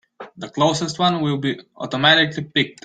The closest one will be automatically picked.